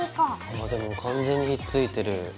ああでも完全にひっついてる。